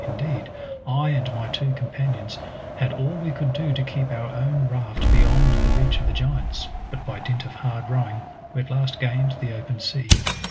Indeed I and my two companions had all we could do to keep our own raft beyond the reach of the giants, but by dint of hard rowing we at last gained the open sea.